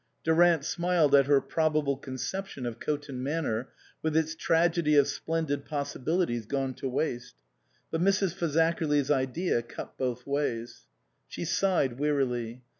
Durant smiled at her probable conception of Coton Manor, with its tragedy of splendid pos sibilities gone to waste ; but Mrs. Fazakerly's idea cut both ways. She sighed wearily.